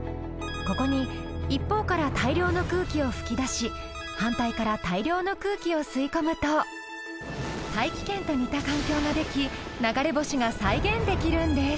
ここに一方から大量の空気を吹き出し反対から大量の空気を吸い込むと大気圏と似た環境が出来流れ星が再現できるんです。